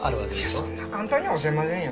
そんな簡単には教えませんよ。